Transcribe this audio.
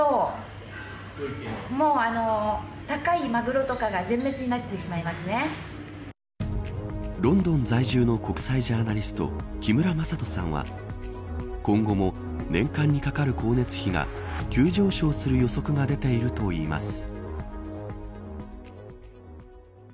ロンドン在住の国際ジャーナリスト木村正人さんは今後も年間にかかる光熱費が急上昇する予測が出ているといいます。